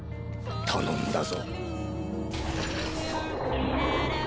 頼んだぞ。